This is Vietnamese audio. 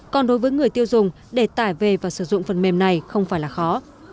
còn đối với người tiêu dùng để tải về và sử dụng phần mềm này không phải là khó